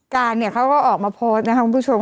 การเนี่ยเขาก็ออกมาโพสต์นะครับคุณผู้ชม